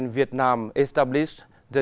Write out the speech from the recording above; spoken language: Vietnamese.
và sau đó